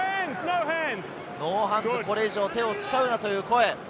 ノーハンズ、これ以上、手を使うなという声。